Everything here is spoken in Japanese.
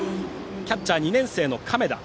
キャッチャーは２年生の亀田。